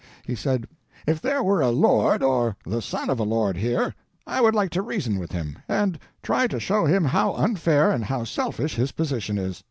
He said, "if there were a lord or the son of a lord here, I would like to reason with him, and try to show him how unfair and how selfish his position is.